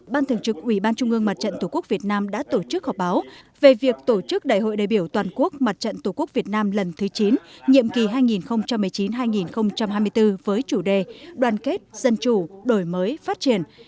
ban thường trực ủy ban trung ương mặt trận tổ quốc việt nam đã tổ chức họp báo về việc tổ chức đại hội đại biểu toàn quốc mặt trận tổ quốc việt nam lần thứ chín nhiệm kỳ hai nghìn một mươi chín hai nghìn hai mươi bốn với chủ đề đoàn kết dân chủ đổi mới phát triển